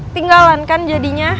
tinggalan kan jadinya